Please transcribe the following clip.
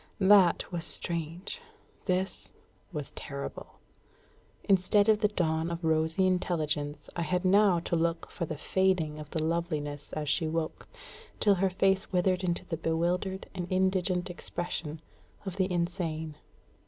That was strange; this was terrible. Instead of the dawn of rosy intelligence I had now to look for the fading of the loveliness as she woke, till her face withered into the bewildered and indigent expression of the insane.